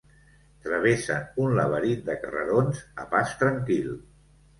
Travessen un laberint de carrerons a pas tranquil.